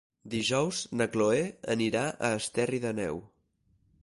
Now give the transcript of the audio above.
Dijous na Cloè anirà a Esterri d'Àneu.